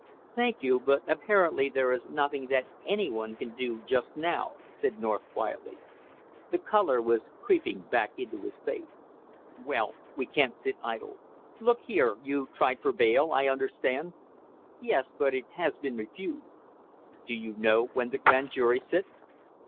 "Thank you, but apparently there is nothing that any one can do just now," said North quietly. The color was creeping back into his face. "Well, we can't sit idle! Look here, you tried for bail, I understand?" "Yes, but it has been refused." "Do you know when the grand jury sits?"